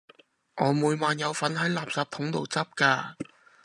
我每晚有份喺垃圾筒度執㗎